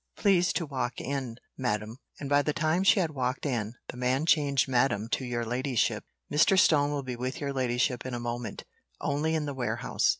"Please to walk in, madam," and by the time she had walked in, the man changed madam into your ladyship "Mr. Stone will be with your ladyship in a moment only in the warehouse.